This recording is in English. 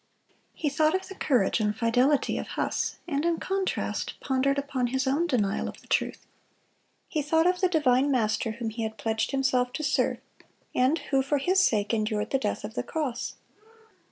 He thought of the courage and fidelity of Huss, and in contrast pondered upon his own denial of the truth. He thought of the divine Master whom he had pledged himself to serve, and who for his sake endured the death of the cross.